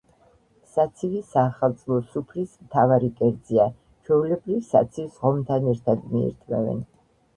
საცივი საახალწლო სუფრის მთავარი კერძია. ჩვეულებრივ, საცივს ღომთან ერთად მიირთმევენ.